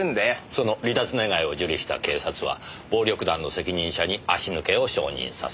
その離脱願を受理した警察は暴力団の責任者に足抜けを承認させる。